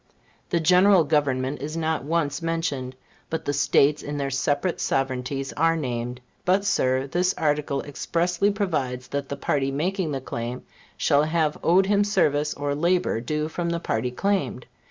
The General Government is not once mentioned; but the States in their separate sovereignties are named. But, Sir, this article expressly provides that the party making the claim shall have owed him service, or labor due from the party claimed.